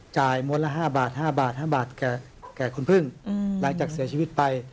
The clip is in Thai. จ่ายหมดละ๕บาทค่ะลายจากเสียชีวิตไป